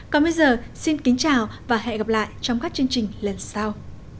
còn bây giờ xin kính chào và hẹn gặp lại trong các chương trình lần sau